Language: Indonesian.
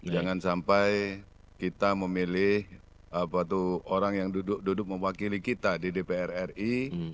jangan sampai kita memilih orang yang duduk duduk mewakili kita di dpr ri